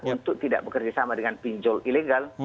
untuk tidak bekerja sama dengan pinjol ilegal